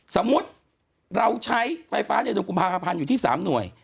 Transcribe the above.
สมมุติเราใช้ไฟฟ้าในเดือนกุมภาพันธ์อยู่ที่๓หน่วย